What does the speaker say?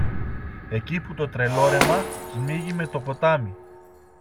εκεί που το Τρελόρεμα σμίγει με το ποτάμι.